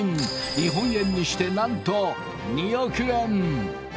日本円にしてなんと２億円！